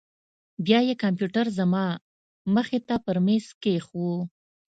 بيا يې کمپيوټر زما مخې ته پر ميز کښېښوو.